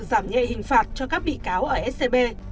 giảm nhẹ hình phạt cho các bị cáo ở scb